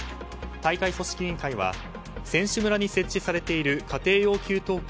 大会組織委員会は選手村に設置されている家庭用給湯器